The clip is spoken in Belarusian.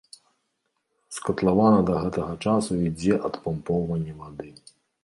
З катлавана да гэтага часу ідзе адпампоўванне вады.